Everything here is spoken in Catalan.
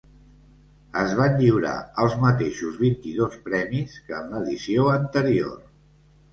Es van lliurar els mateixos vint-i-dos premis que en l'edició anterior.